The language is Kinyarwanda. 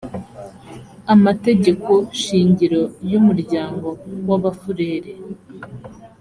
amategeko shingiro y umuryango w abafurere